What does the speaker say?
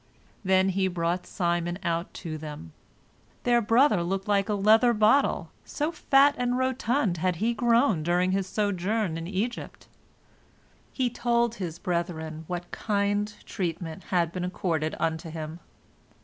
Then he brought Simon out to them. Their brother looked like a leather bottle, so fat and rotund had he grown during his sojourn in Egypt. He told his brethren what kind treatment had been accorded unto him.